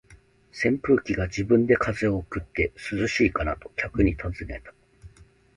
扇風機が自分で風を送って、「涼しいかな？」と客に尋ねた。